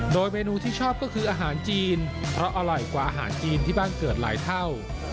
โดยเมนูที่ชอบก็คืออาหารจีนเพราะอร่อยกว่าอาหารจีนที่บ้านเกิดหลายเท่า